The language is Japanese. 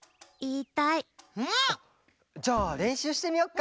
うん？じゃあれんしゅうしてみよっか！